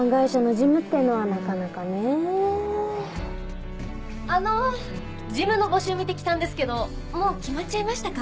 ・事務の募集見て来たんですけどもう決まっちゃいましたか？